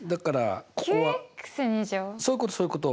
９？そういうことそういうこと。